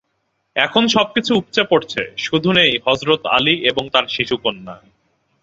এখন সবকিছু উপচে পড়ছে, শুধু নেই হজরত আলী এবং তাঁর শিশুকন্যা।